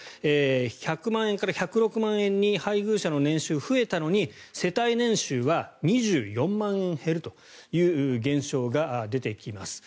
１００万円から１０６万円に配偶者の年収が増えたのに世帯年収は２４万円減るという現象が出てきます。